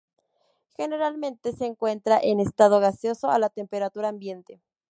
Generalmente se encuentran en estado gaseoso a la temperatura ambiente.